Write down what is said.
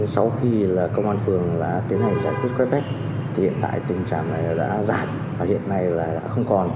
sau khi công an phường tiến hành giải quyết quét vét thì hiện tại tình trạm này đã giảm và hiện nay là không còn